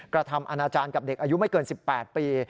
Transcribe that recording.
กระทำอนาจารย์กับเด็กอายุไม่เกิน๑๘ปี